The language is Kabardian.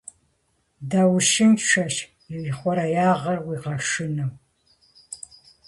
Даущыншэщ ихъуреягъыр, уигъэшынэу.